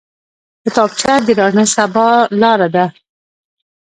کتابچه د راڼه سبا لاره ده